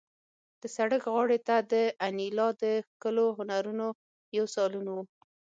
د سړک غاړې ته د انیلا د ښکلو هنرونو یو سالون و